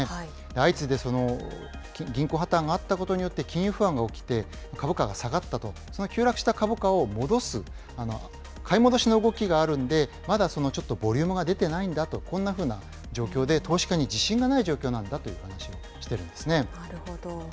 相次いで銀行破綻があったことによって、金融不安が起きて、株価が下がったと、その急落した株価を戻す、買い戻しの動きがあるんで、まだちょっとボリュームが出てないんだと、こんなふうな状況で、投資家に自信がない状況なんだという話をしてるんですね。